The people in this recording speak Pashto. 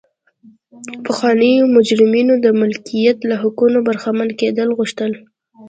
پخوانیو مجرمینو د مالکیت له حقونو برخمن کېدل غوښتل.